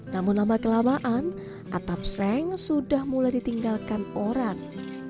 namun lama kelamaan atap seng sudah mulai ditinggalkan orang